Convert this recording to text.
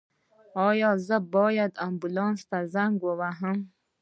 ایا زه باید امبولانس ته زنګ ووهم؟